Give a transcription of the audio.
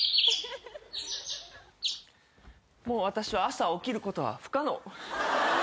もう私は朝起きることは不可能。